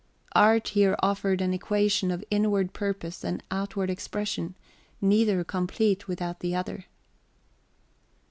Art here offered an equation of inward purpose and outward expression, neither complete without the other.